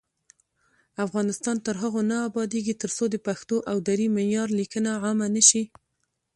افغانستان تر هغو نه ابادیږي، ترڅو د پښتو او دري معیاري لیکنه عامه نشي.